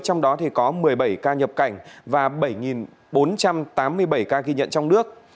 trong đó có một mươi bảy ca nhập cảnh và bảy bốn trăm tám mươi bảy ca ghi nhận trong nước